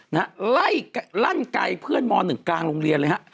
นะฮะไล่ลั่นไกลเพื่อนมหนึ่งกลางโรงเรียนเลยฮะ